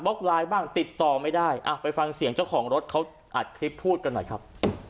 ไลน์บ้างติดต่อไม่ได้อ่ะไปฟังเสียงเจ้าของรถเขาอัดคลิปพูดกันหน่อยครับ